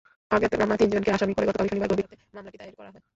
অজ্ঞাতনামা তিনজনকে আসামি করে গতকাল শনিবার গভীর রাতে মামলাটি দায়ের করা হয়।